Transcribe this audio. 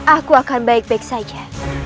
aku akan baik baik saja